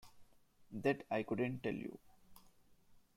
That I couldn’t tell you.